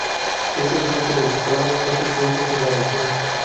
Ese día se registraron fuertes vientos en la región.